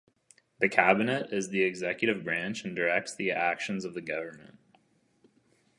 The Cabinet is the executive branch and directs the actions of the Government.